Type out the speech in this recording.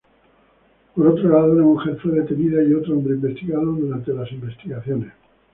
Por otro lado, una mujer fue detenida y otro hombre investigado durante las investigaciones.